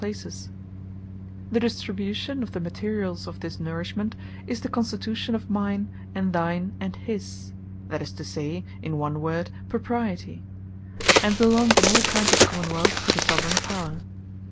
And The Right Of Distribution Of Them The Distribution of the Materials of this Nourishment, is the constitution of Mine, and Thine, and His, that is to say, in one word Propriety; and belongeth in all kinds of Common wealth to the Soveraign Power.